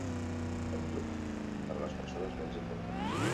Àdhuc per a les persones menys importants.